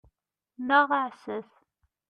Neɣ aɛessas.